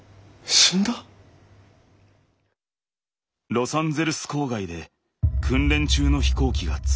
☎ロサンゼルス郊外で訓練中の飛行機が墜落。